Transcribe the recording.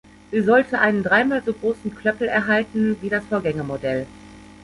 Sie sollte einen dreimal so großen Klöppel erhalten, wie das Vorgängermodell.